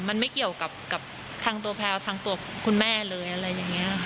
มันไม่เกี่ยวกับทางตัวแพลวทางตัวคุณแม่เลยอะไรอย่างนี้ค่ะ